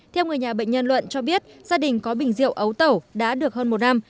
theo người nhà bệnh nhân luận cho biết gia đình có bình rượu ấu tẩu đã được hơn một năm